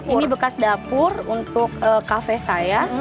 ini bekas dapur untuk kafe saya